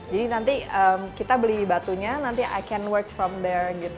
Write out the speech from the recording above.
jadi nanti kita beli batunya nanti i can work from there